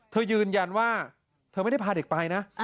ยืนยันว่าเธอไม่ได้พาเด็กไปนะ